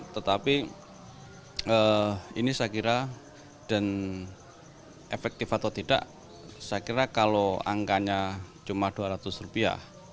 tetapi ini saya kira dan efektif atau tidak saya kira kalau angkanya cuma dua ratus rupiah